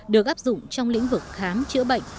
được áp dụng trong lĩnh vực khám chữa bệnh